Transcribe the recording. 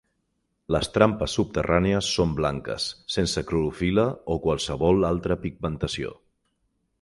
Les trampes subterrànies són blanques, sense clorofil·la o qualsevol altra pigmentació.